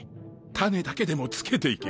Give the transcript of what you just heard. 種だけでも付けていけ。